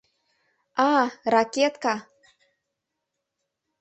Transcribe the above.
А, ракетка!